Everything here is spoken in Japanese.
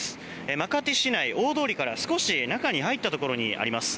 マカティ市内、大通りから少し中に入ったところにあります。